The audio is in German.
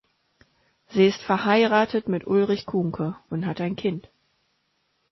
Sie ist verheiratet mit Ulrich Kuhnke und hat ein Kind.